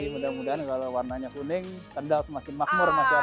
jadi mudah mudahan kalau warnanya kuning kendal semakin makmur masyarakatnya